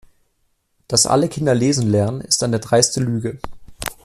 Dass alle Kinder lesen lernen, ist eine dreiste Lüge.